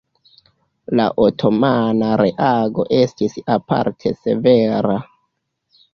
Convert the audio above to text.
La otomana reago estis aparte severa.